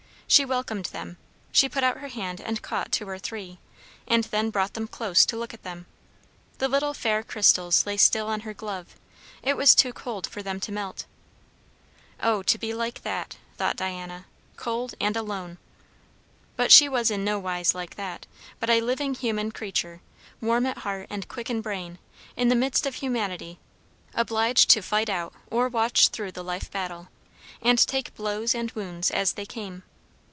She welcomed them. She put out her hand and caught two or three, and then brought them close to look at them. The little fair crystals lay still on her glove; it was too cold for them to melt. O to be like that! thought Diana, cold and alone! But she was in no wise like that, but a living human creature, warm at heart and quick in brain; in the midst of humanity, obliged to fight out or watch through the life battle, and take blows and wounds as they came.